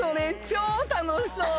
超楽しそう！